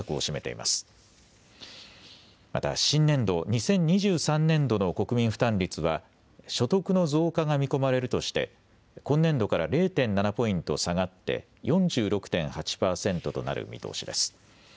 また新年度２０２３年度の国民負担率は所得の増加が見込まれるとして今年度から０．７ポイント下がって４６．８％となる見通しです。